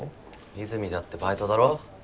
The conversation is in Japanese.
和泉だってバイトだろ？